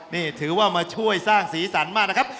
นี่ถือว่ามาช่วยสร้างสีสันมากนะครับ